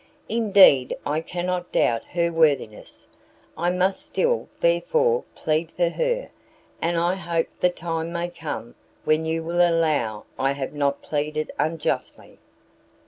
Indeed I cannot doubt her worthiness, I must still, therefore, plead for her, and I hope the time may come when you will allow I have not pleaded unjustly."